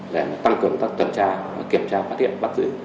để tăng cường các tuần tra kiểm tra phát hiện bắt giữ